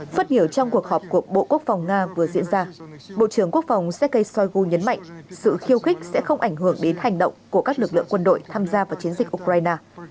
phát biểu trong cuộc họp của bộ quốc phòng nga vừa diễn ra bộ trưởng quốc phòng sergei shoigu nhấn mạnh sự khiêu khích sẽ không ảnh hưởng đến hành động của các lực lượng quân đội tham gia vào chiến dịch ukraine